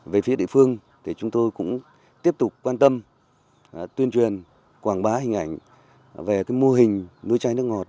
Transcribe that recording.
về phía địa phương thì chúng tôi cũng tiếp tục quan tâm tuyên truyền quảng bá hình ảnh về mô hình nuôi chai nước ngọt